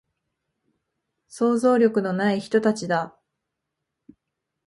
想像力のない人たちだ